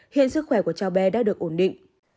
hiện sức khỏe của cháu bé đã được ổn định